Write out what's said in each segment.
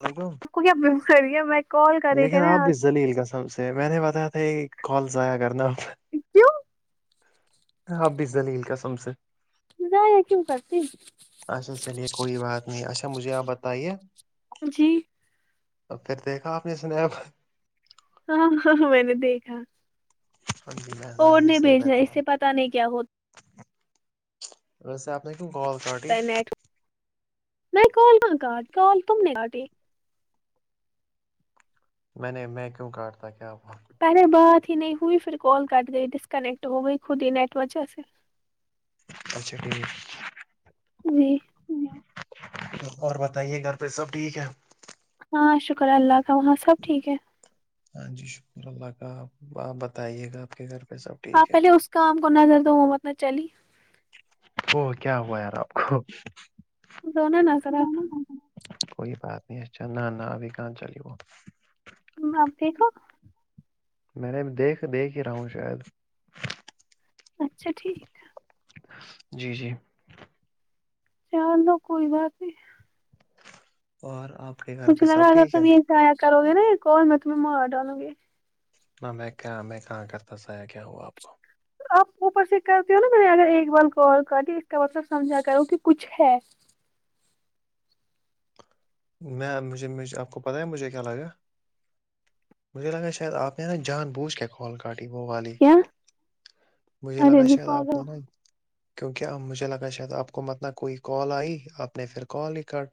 become آ گ سڑیا میں کال کر رہی کہ ن زل کا س میں نے بتا تھا کہ کال ضائع کرنا [inaudible] اب بھی زلیل کا سم سے جائے کیوں کرتی اچھا چلیے کوئی بات نہیں اچھا مجھے آپ بتائیے جی ا پھر دیکھا آپ نے سنایا ب ہاں س میں نے دیکھا بند بھینا اور نہیں بھیج رہ اس سے پتاہ نہیں کیا ہوتا [unintelligible] یٹ نہیں کال کال تم نے کاٹ میں نے میں کیوں کاٹتا کیا پہلے بات ہی نہیں ہوئی پھر کال کٹ گئی ڈسکنیکٹ ہو گئی خود ہی نیٹ وجہ سے اچھا ٹھیک جی اور بتائیے گھر پہ سب ٹھیک ہے ہاں شکر اللہ کا وہاں سب ٹھیک ہے ہاں جی شکر اللہ کا آپ آپ بتائیے گا آپ کے گھر پہ سب ہاں ٹھیک ہے پہلے اس کام کو نظر دو وہ مت نہ چلی او کیا ہوا یار آپ کو دونوں نذرا کوئی بات نہیں اچھا نہ نہ ابھی کہاں چلی وہ ہپ بھو میں نے دیکھ دیکھ ہی رہا ہوں شاید اچھا ٹھیک جی جی چلو کوئی بات نہیں اور آپ کے گھر پہ سب ٹھیک ہے جایا کرو گ نا کون میں تمہیں مار ڈالوں گی نہ میں کیا میں کہاں کرتا سایہ کیا ہوا آپ کو آپ اوپر سے کرتی ہو نا میں نے اگر ایک بار کال کر کے اس کا مطلب سمجھا کروں کہ کچھ ہے میں مجھے آپ کو پتاہ ہے مجھے کیا لگا مجھے لگا شاید آپ نا جان بوجھ کال کاٹی وہ والی کیا مجھے ارے لگا نہیں شاید آپ پاگل نے نا کیونکہ اب مجھے لگا شاید آپ کو متلب کوئی کال آئی آپ نے پھر کال ہی کر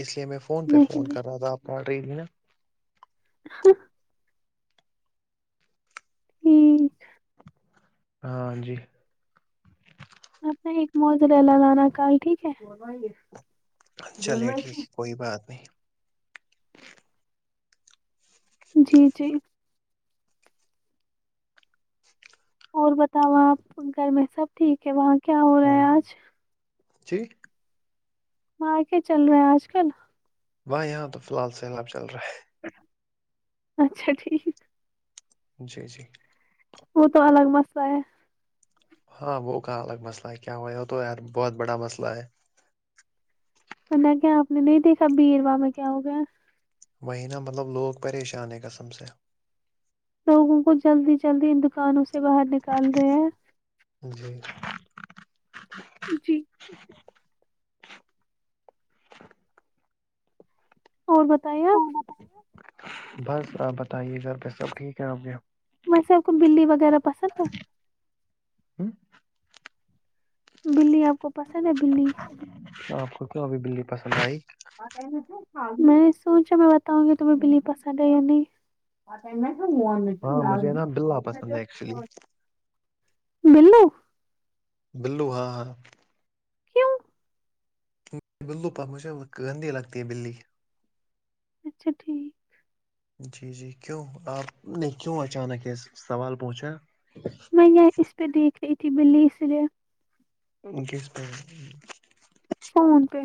اس لیے میں فون پہ نہیں فون نہیں کر رہا تھا آپ آڈر نا ہ ہی ہاں جی آنا ایک موجر لگانا کل ٹھیک ہے چلیے ٹھیک ہے کوئی بات نہیں جی جی اور بتاؤ آپ گھر میں سب ٹھیک ہے وہاں کیا ہو رہا ہاں ہے جی آج جٹھیک وہاں آک چل رہے ہیں آج کل باہ یہاں تو فی الحال سیلاب چل رہا ہے اچھا ٹھیک جی جی وہ تو الگ مسئلہ ہے ہاں وہ کہ الگ مسئلہ ہے کیا ہو ہو تو یار بہت بڑا مسئلہ ہے م نے کیا آپ نے نہیں دیکھا بییروا میں کیا ہو گیا وہی نا مطلب لوگ پریشان ہے قسم سے لوگوں کو جلدی جلدی ان دکانوں سے باہر نکال رہے ہیں جی جی اور بتائیے آپ بس آپ بتائیے سر پہ سب ٹھیک ہے آپ کے میںے آب کو بی وغیرہ پسند تھا ہوں بللی آب آپ کو کیوں ابھی بلی پسند آئی میں نے سوچا میں بتاؤں گی تمہیں بلی پسند ہے یا نہیں آ میں سو ہاں مجھے نا بلا پسند ہے ایکچولی بلو بلو ہاں ہاں کیوں بلو پاک مجھے گندی لگتی ہے بلی اچھا ٹھیک جی جی کیوں آپ نے کیوں اچانک ہے سوال پوچھا میں یہ اس پہ دیکھ رہی تھی بلی سرے کس پ سمن پہ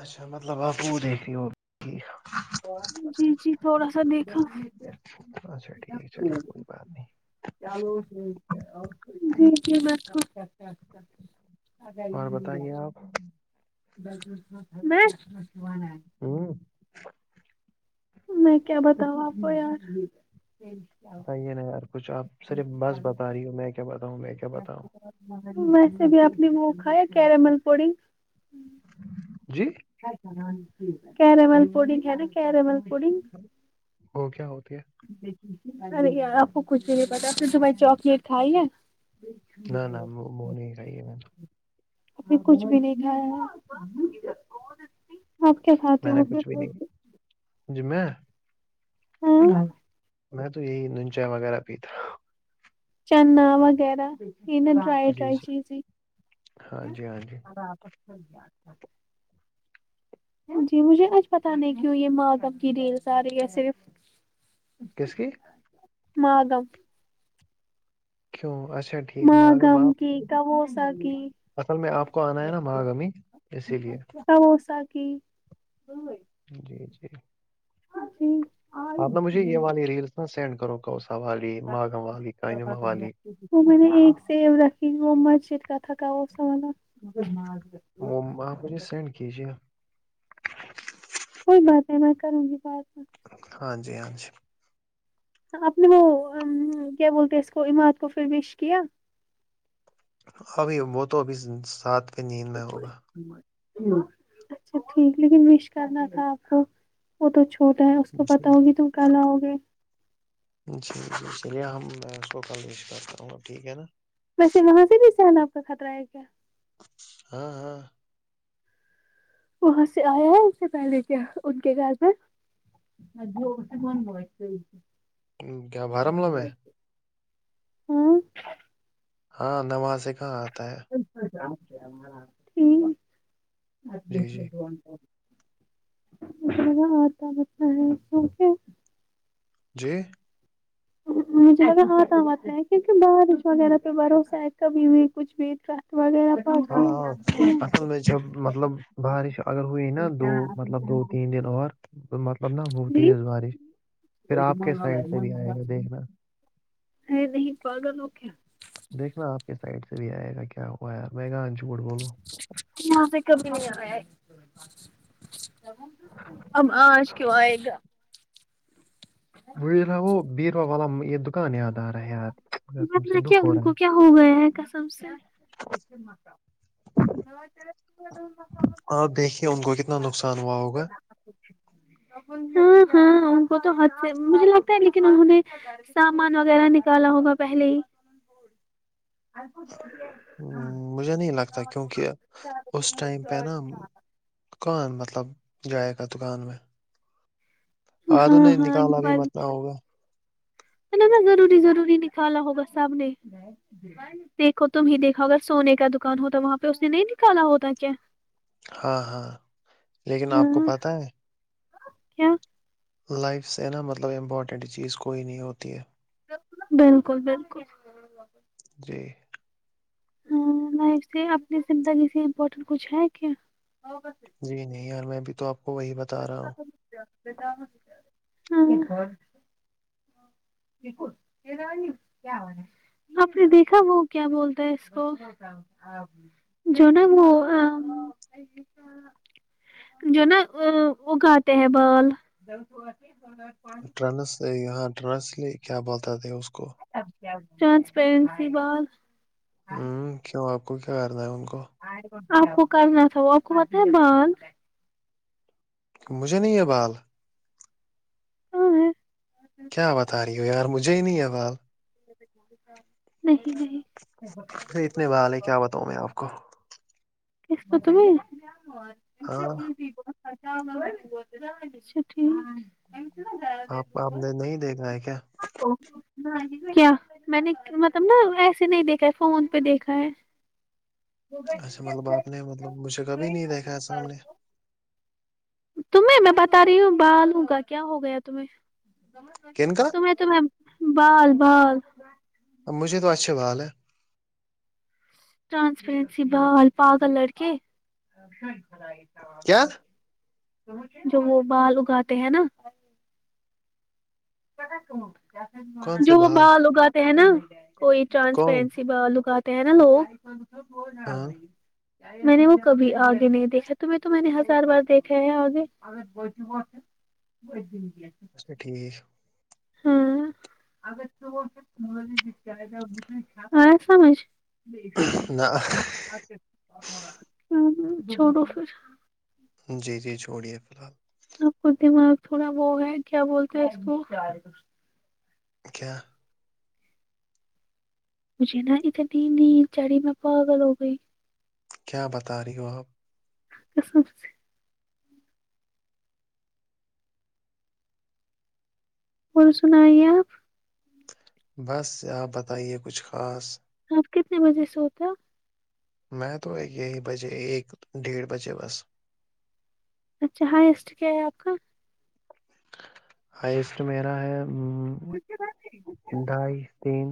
اچھا مطلب آپ وہ دیکھتی اور جی جی جی تھوڑا سا دیکھا اچھا ٹھیک چلیے کوئی بات نہیں چلو جی ج اگر اور بتائیے آپ [unintelligible] ہوں [inaudible] میں کیا بتاؤں آپ کو یار بیے نہیں یار کچھ آپ صرف بس بتا رہی ہو میں کیا بتاؤں میں کیا بتاؤں ویسے بھی آپ نے وہ کھایا کیرمل پوڑی جی ا کیرمل پوڑی ہے نا کیرمل پوڑی وہ کیا ہوتی ہے ارے یار آپ کو کچھ بھی نہیں پتا آپ نے جومائی چاکلیٹ کھائی ہے نہ نہ م نہیں خئی ہے م ابھی کچھ بھی نہیں کھایا آپ کیا کھاتے میں نے ہو کچھ بھی پھر نہیں جم میں ہوں [inaudible] میں تو یہی نن چائے وغیرہ پیتا چنا وغیرہ یہ نہ ڈرائی جی ڈرائی جی چیزیں ہاں جی ہاں جی دھنھی [inaudible] جی مجھے آج پت نہیں کیوں یہ ماگب کی ریلز آ رہی ہے صرف کس کی مدم کیوں اسے ماگم کی کموسا کی اصل میں آپ کو آنا ہے نا مہاگمی اسی لیے سوس کی جی جی ا جی [inaudible] آپ نے مجھے یہ والی ریلس نہا سینڈ کرو کوسا والی ماگم والی کاانم والی وہ میں نے ایک سیب رکھھی وہچ کھا کا سا ون وہ آپ مجھے سینڈ کیجے کوئی بات نہیں میں کروں گی بات ہاں جی ہاں جی آپ نے وہ کیا بولتے ہیں اس کو اماد کو پھر بیش کیا ابھی وہ تو ابھی ساتھ پہ نیندنا ہوگا اچھا ٹھیک لیکن وش کرنا تھا آپ کو وہ تو چھوٹا ہے اس کو جی پتا ہوگی تم کیا لاؤ گے جی جی چلیے ہم میں اس کو ک بات کروں گا ٹھیک ہے نا ویسے وہاں سے بھی سہنا آپ کا خطرہ ہے کیا ہاں ہاں وہاں سے آیا ہے اس سے پہلے کیا ان کے گھر پ ہ جی اور سے کون ب [unintelligible] کیا بارامولہ میں ہاں [inaudible] ہاں نواز سے کہاں آتا ہے چ ٹھیک جی جی [inaudible] مہ آتا مطتا ہے کیونکہ [unintelligible] جی ا [inaudible] جہ ہاتھ آتا ہے کیونکہ بارش وغیرہ پہ بھروسہ ہے کبھی بھی کچھ بھی رخت وغیرہ ہاں پاتی ہاں اصل میںج جو مطلب بارش اگر ہوئی نا دو مطلب دو تین دن اور مطلب نا ہوتی جی ہے بارش پھر آپ کے سائڈ سے بھی آئے گا دیکھنا ہے نہیں پا گا توو کیا دیکھنا آپ کے سائڈ سے بھی آئے گا کیا ہوا یار میں گا انج بٹ بولو یہاں پہ کمی نہیں آ رہا ہے آش کیوں آئے گا وہ رہاو بیرو والم یہد بات رکھ دکھ ہو ان رہا کو کیا ہو گیا ہے کسم سے اسن نسا میں اچھا ہے آپ دیکھیے ان کو کتنا نقصان ہوا ہوگا ہاں ہاں ان کو تو مجھے لگتا ہے لیکن انہوں نے سامان وغیرہ نکالا ہوگا پہلے ہی ہم، مجھے نہیں لگتا کیونکہ ہاں دکان مطلب جائے گا دکان میں ہ توو ہاں نے ہاں نکالا بھی متنا ہوگا ہے ن میں روری ضروری نکالا ہو بس سب نے دیکھو تم ہی دیکھو اگر سونے کا دکان ہوتا وہاں پہ اس نے نہیں نکالا ہوتا کیا ہاں ہاں لیکن آپ کو ہاں پتہ ہے کیا لائف سے نا مطلب امپورٹنٹ چیز کوئی نہیں ہوتی ہے بالکل بالکل جی ہاں لائف سے اپنی زندگی سے امپورٹینٹ کچھ ہے کیا جی نہیں یار میں اب تو آپ کو وہی بتا رہا ہوں ہاں بکل یہ نہ ن کیا وال ہے آپ نے دیکھا وہ کیا بولتا ہے اس کو جونا [unintelligible] جو نا اگاتے ہیں بال [unintelligible] ٹرنس یہاں ٹرنسلی کیا بولتا تھے اس کو ٹرانسپیرنسی بار [unintelligible] ہوں کیوں آپ کو کیا کرنا ہے ان کو آپ کو کرنا تھا وہ آپ کو پت ہے بض مجھے نہیں یہ بال [unintelligible] ہاں کیا بتا رہی ہو یار مجھے ہی نہیں حوال نہیں نہیں مجھے اتنے بال ہے کیا بتاؤں میں آپ کو کس کو ت میں ہاں [unintelligible] گر اچھاٹھیک [unintelligible] آپ آپ نے نہیں دیکھنا ہے کیا او نہیں کیا میں نے مطلب نا ایسے نہیں دیکھا ہے فون پہ دیکھا ہے اچھا مطلب آپ نے مطلب مجھے کبھی نہیں دیکھا ہے سامنے تمہیں میں بتا رہی ہوں بال ہوںگا کیا ہو گیا تمہیں کین کا تو میں بال بال اب مجھے تو اچھے بال ہے ٹرانسپیرنسی بال پا کلر کے کیا جو وہ بال اگاتے ہیں نا [unintelligible] کون جو سے وہ بال بر اگاتے ہیں نا کوئی کون ٹرانسپیرنسی لکاتے ہیں نا لو ہاں [unintelligible] میں نے وہ کبھی آگے نہیں دیکھا تمہیں تو میں نے ہزار بار دیکھا ہے آگے [unintelligible] اچھا ٹھیک ہاں آیا سمجھ نہ [unintelligible] ہو چھوڑو پھر جی جی چھوڑیے فیلحال آپ کا دماغ تھوڑا بو ہے کیا بولتے ہیں اس کو کیا [unintelligible] مجھے نا اتنی نیند چڑی میں پاگل ہو گئی کیا بتا رہی ہو آپ قسم سے اور سنائیے آپ بس آپ بتائیے کچھ خاص آپ کتنے بجے سوتے ہو میں تو یہی بجے ایک ڈیڑھ بجے بس اچھا ہائسٹ کیا ہے آپ کا ہائیسٹ میرا ہے ڈھائی تین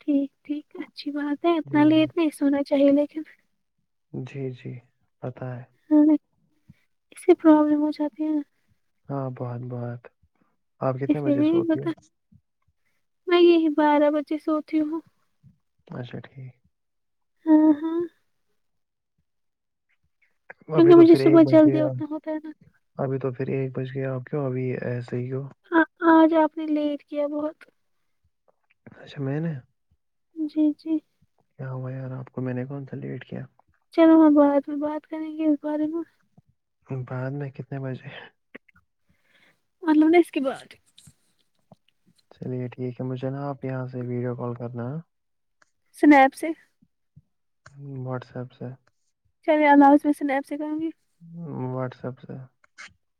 ٹھیک ٹھیک اچھی بات ہے اتنا جی جی لیٹ نہیں سونا چاہیے لیکن جی جی پتا ہے ہاں اس سے پرابلم ہو جاتی ہے ہاں بہت بہت آپ کتنے اسی بجے لیے سوتی ہو مطلب میں یہ ہے بارہ بجے سوتی ہوں اچھا ٹھیک ہاں ہاں ابھی کیونکہ تو مجھے پھرے ایک صبح بج گئے جلدی اج اٹھنا ہوتا ہے ابھی تو پھر ایک بج گئے آپ کیوں ابھی ایسے ہی ہو ہاں آج آپ نے لیٹ کیا بہت اچھا میں نے جی جی کیا ہوا یار آپ کو میں نے کون سا لیٹ کیا چلو ہم بعد میں بات کریں گے اس بارے میں بعد میں کتنے بجے مطلب نا اس کے بعد چلیے ٹھیک ہے مجھے نا آپ یہاں سے ویڈیو کال کرنا سنا اپ سے واٹس ایپ سے چلیے اب آج سے سنیپ سے کروں گی واٹس اپ سے